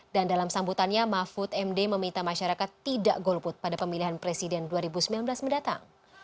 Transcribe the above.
dan dalam sambutannya mahfud md meminta masyarakat tidak golput pada pemilihan presiden dua ribu sembilan belas mendatang